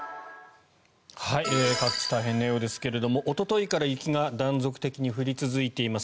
各地、大変なようですがおとといから雪が断続的に降り続いています。